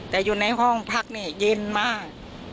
แต่อยู่ในห้องพักนี่เย็นมาก